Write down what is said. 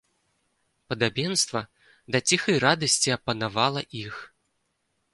Падабенства да ціхай радасці апанавала іх.